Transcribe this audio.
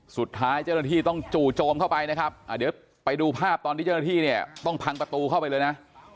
สุดท้ายเจ้าหน้าที่ต้องจู่โจมเข้าไปนะครับเดี๋ยวไปดูภาพตอนที่เจ้าหน้าที่เนี่ยต้องพังประตูเข้าไปเลยนะ